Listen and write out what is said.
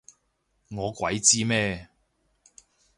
我鬼知咩？